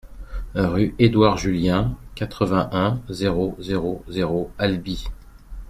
Rue Edouard Julien, quatre-vingt-un, zéro zéro zéro Albi